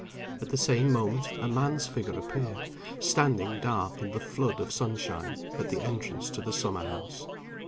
At the same moment a man's figure appeared standing dark in the flood of sunshine at the entrance to the summer house.